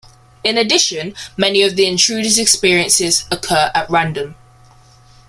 In addition, many of the intruders' appearances occur at random.